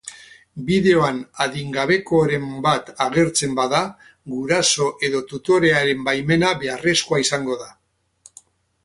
Bideoan adingabekoren bat agertzen bada, guraso edo tutorearen baimena beharrezkoa izango da.